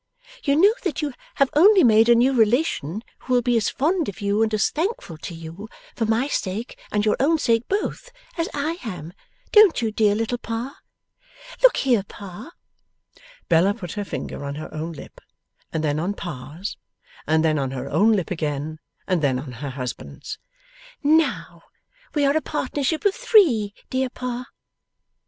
You know that you have only made a new relation who will be as fond of you and as thankful to you for my sake and your own sake both as I am; don't you, dear little Pa? Look here, Pa!' Bella put her finger on her own lip, and then on Pa's, and then on her own lip again, and then on her husband's. 'Now, we are a partnership of three, dear Pa.